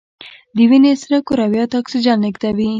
د وینې سره کرویات اکسیجن لیږدوي